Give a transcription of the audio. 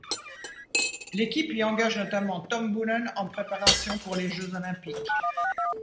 L'équipe y engage notamment Tom Boonen en préparation pour les Jeux olympiques.